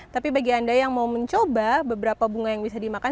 tapi bagi anda yang mau mencoba beberapa bunga yang bisa dimakan